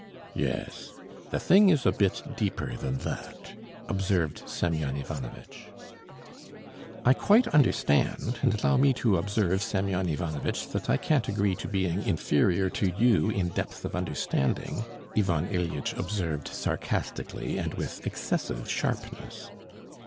"Yes, the thing is a bit deeper than that," observed Semyon Ivanovitch. "I quite understand, and allow me to observe, Semyon Ivanovitch, that I can't agree to being inferior to you in depth of understanding," Ivan Ilyitch observed sarcastically and with excessive sharpness.